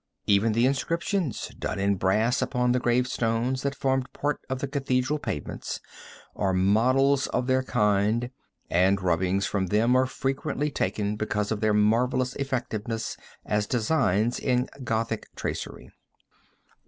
Even the inscriptions, done in brass upon the gravestones that formed part of the cathedral pavements, are models of their kind, and rubbings from them are frequently taken because of their marvelous effectiveness as designs in Gothic tracery.